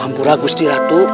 ampura gusti ratu